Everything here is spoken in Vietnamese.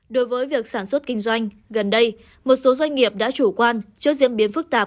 đối với việc sản xuất kinh doanh gần đây một số doanh nghiệp đã chủ quan trước diễn biến phức tạp